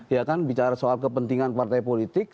ya kan bicara soal kepentingan partai politik